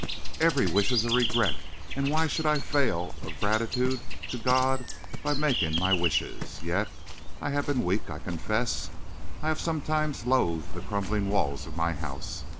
"Every wish is a regret, and why should I fail of gratitude to God by making my wishes? Yet, I have been weak, I confess. I have sometimes loathed the crumbling walls of my house.